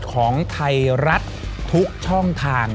ของไทยรัฐทุกช่องทาง